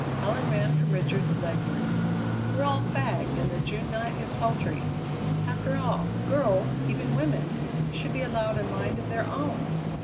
Helen ran from Richard to Ledyard. "We're all fagged, and the June night is sultry. After all, girls, even women, should be allowed a mind of their own!